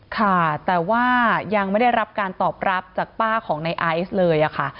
ค่ะแต่ว่ายังไม่ได้รับการตอบรับจากป้าของในไอซ์เลยค่ะ